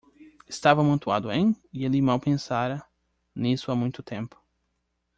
Estava amontoado em? e ele mal pensara nisso há muito tempo.